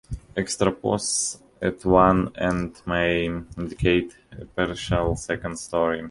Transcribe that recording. Extra posts at one end may indicate a partial second story.